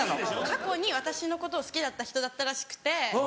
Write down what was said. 過去に私のことを好きだった人だったらしくて。